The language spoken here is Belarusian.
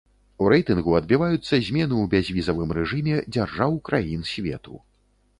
У рэйтынгу адбіваюцца змены ў бязвізавым рэжыме дзяржаў краін свету.